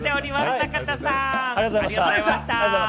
中田さん、ありがとうございました。